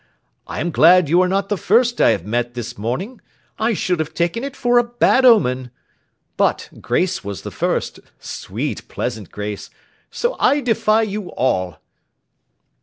I am glad you are not the first I have met this morning: I should have taken it for a bad omen. But, Grace was the first—sweet, pleasant Grace—so I defy you all!